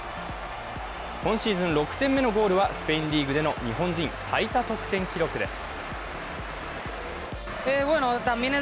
今シーズン６点目のゴールはスペインリーグでの日本人最多得点記録です。